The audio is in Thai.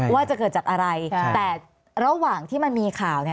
ว่าจะเกิดจากอะไรแต่ระหว่างที่มันมีข่าวเนี่ย